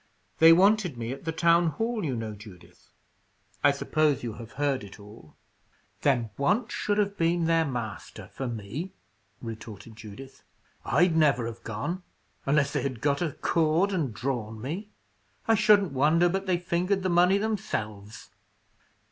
"They wanted me at the town hall, you know, Judith. I suppose you have heard it all?" "Then, want should have been their master, for me," retorted Judith. "I'd never have gone, unless they had got a cord and drawn me. I shouldn't wonder but they fingered the money themselves."